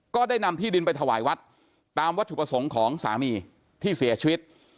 ก็ได้นำที่ดินไปถวายวัดตามวัตถุประสงค์ของสามีที่เสียชีวิต